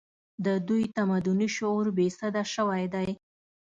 د دوی تمدني شعور بې سده شوی دی